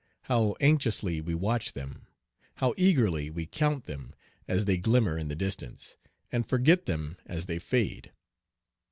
How anxiously we watch them, how eagerly we count them, as they glimmer in the distance, and forget them as they fade!